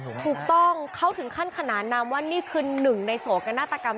ถูกต้องเขาถึงขั้นขนานนามว่านี่คือหนึ่งในโศกนาฏกรรม